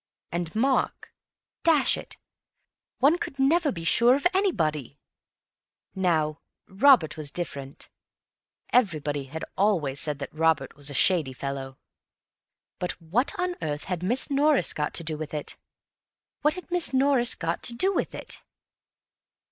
And Mark. Dash it! one could never be sure of anybody. Now, Robert was different. Everybody had always said that Robert was a shady fellow. But what on earth had Miss Norris got to do with it? What had Miss Norris got to do with it?